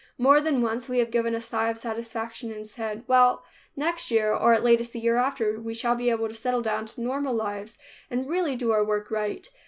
More than once we have given a sigh of satisfaction and said, "Well, next year, or at latest, the year after, we shall be able to settle down to normal lines and really do our work right."